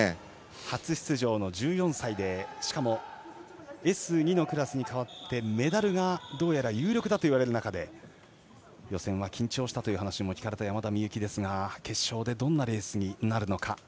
初出場の１４歳でしかも、Ｓ２のクラスに変わってメダルがどうやら有力だといわれる中で予選は緊張したという話も聞かれた山田美幸ですが決勝でどんなレースになるのか。